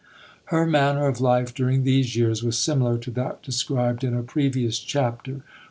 Her manner of life during these years was similar to that described in a previous chapter.